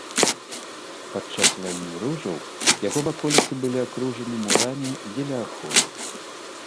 Падчас вайны ружаў яго ваколіцы былі абкружаны мурамі дзеля аховы.